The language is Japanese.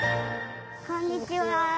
こんにちは。